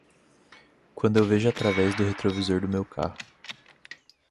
Quando eu vejo através do retrovisor do meu carro.